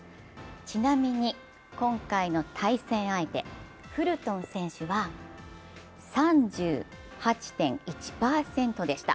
ちなみに今回の対戦相手、フルトン選手は３８．１％でした。